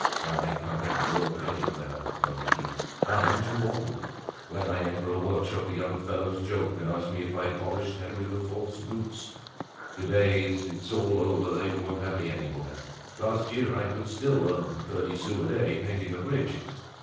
"I can't get work anywhere," murmured he. "I'm too old. When I enter a workshop the young fellows joke, and ask me if I polished Henri IV.'s boots. To day it's all over; they won't have me anywhere. Last year I could still earn thirty sous a day painting a bridge.